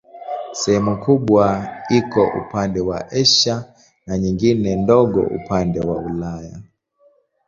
Sehemu kubwa iko upande wa Asia na nyingine ndogo upande wa Ulaya.